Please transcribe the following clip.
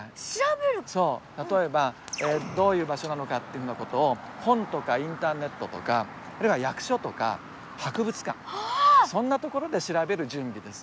そう例えばどういう場所なのかっていうふうなことを本とかインターネットとかあるいは役所とか博物館そんなところで調べる準備です。